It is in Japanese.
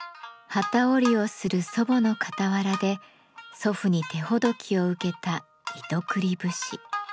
機織りをする祖母の傍らで祖父に手ほどきを受けた「糸繰り節」。